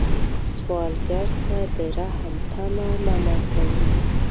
سوالګر ته د رحم تمه مه ماتوي